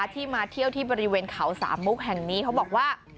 ที่มาเที่ยวที่บริเวณเขาสามมุกแห่งนี้เขาบอกว่า